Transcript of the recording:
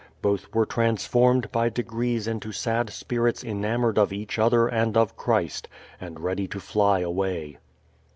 Both were transformed by degrees into sad spirits enamored of each other and of Christ, and ready to fly away.